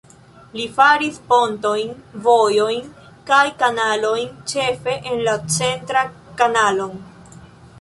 Li faris pontojn, vojojn kaj kanalojn, ĉefe la centran kanalon.